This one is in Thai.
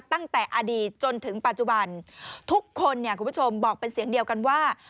ตั้งแต่อดีตจนถึงปัจจุบันทุกคนเนี่ยคุณผู้ชมบอกเป็นเสียงเดียวกันว่า